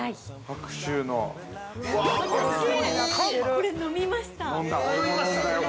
◆これ飲みました。